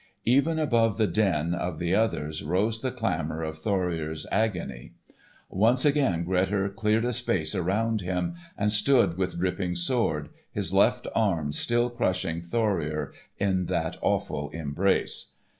Even above the din of the others rose the clamour of Thorir's agony. Once again Grettir cleared a space around him, and stood with dripping sword, his left arm still crushing Thorir in that awful embrace.